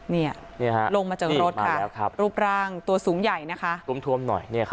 นี่ฮะลงมาเจอรถค่ะรูปร่างตัวสูงใหญ่นะคะต้มทวมหน่อย